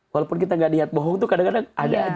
walaupun kita gak niat bohong tuh kadang kadang ada